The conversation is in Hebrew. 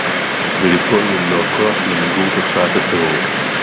ולפעול במלוא הכוח למיגור תופעת הטרור